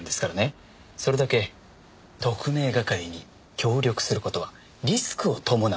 それだけ特命係に協力する事はリスクを伴うんです。